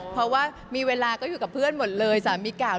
เพราะว่ามีเวลาก็อยู่กับเพื่อนหมดเลยสามีเก่า